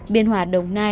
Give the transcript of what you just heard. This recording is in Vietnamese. biên hòa đồng nai